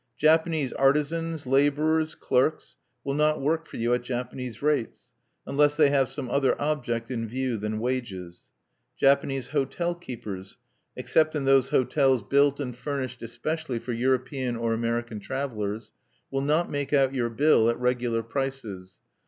Japanese artisans, laborers, clerks, will not work for you at Japanese rates unless they have some other object in view than wages. Japanese hotel keepers except in those hotels built and furnished especially for European or American travelers will not make out your bill at regular prices.